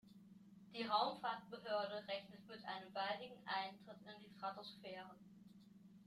Die Raumfahrtbehörde rechnet mit einem baldigen Eintritt in die Stratosphäre.